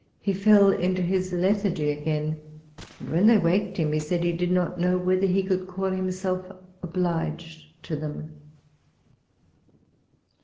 He fell into his lethargv again, and when they waked him, he said he did not know whether he could call himself obliged to them.